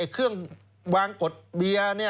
เครื่องวางกฎเบียร์